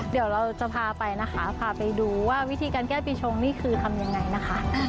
เดี๋ยวเราจะพาไปนะคะพาไปดูว่าวิธีการแก้ปีชงนี่คือทำยังไงนะคะ